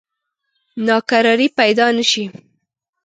ناکراری پیدا نه شي.